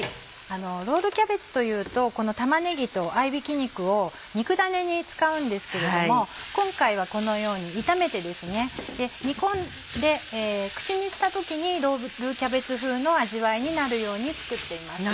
ロールキャベツというと玉ねぎと合びき肉を肉だねに使うんですけれども今回はこのように炒めてですね煮込んで口にした時にロールキャベツ風の味わいになるように作っています。